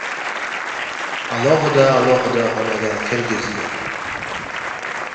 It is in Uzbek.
alohida-alohida xonaga kirgizdi.